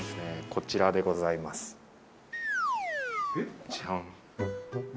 こちらでございますえっ！？